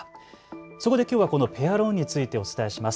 そこできょうはこのペアローンについてお伝えします。